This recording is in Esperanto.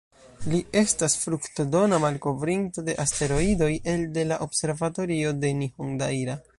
Li estas fruktodona malkovrinto de asteroidoj elde la observatorio de Nihondaira.